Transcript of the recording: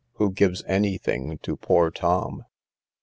who gives any thing to poor Tom?